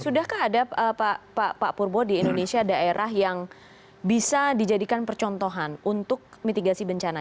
sudahkah ada pak purbo di indonesia daerah yang bisa dijadikan percontohan untuk mitigasi bencana